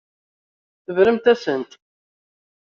Tebramt-asent.